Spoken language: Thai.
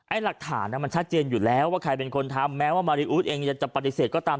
หลักฐานมันชัดเจนอยู่แล้วว่าใครเป็นคนทำแม้ว่ามาริอู๊ดเองจะปฏิเสธก็ตาม